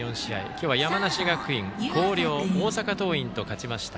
今日は山梨学院、広陵大阪桐蔭と勝ちました。